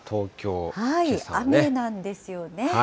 雨なんですよね。